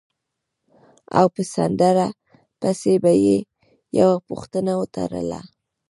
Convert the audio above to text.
او په سندره پسې به یې یوه پوښتنه وتړله.